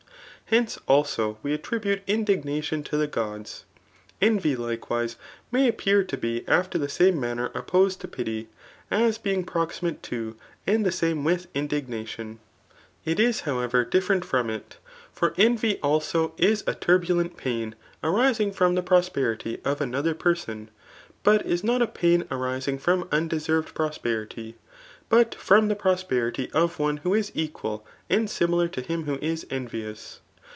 Hence, also, ,we att; ribute indignation to the gods; Envy, hkewfee» may appear to be after the sam^ manner opposed to pityir as being proximate to ^d the same with indignat^piu . It 186 THE ART OF lOOK II. is howartr diSE&rent from it For envy ilfio is a turbu« lent pain arising from the prosperity [|of anodier person] bat is not a pain arising from undeserved prosperity, but from the prosperity of one who is equal and similar to Um who is envious.